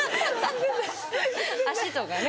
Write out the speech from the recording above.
足とかね。